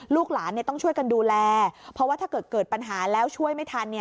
ลูกหลานต้องช่วยกันดูแลเพราะว่าถ้าเกิดเกิดปัญหาแล้วช่วยไม่ทัน